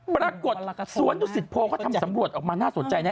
ปรากฏสวนดุสิตโพเขาทำสำรวจออกมาน่าสนใจนะ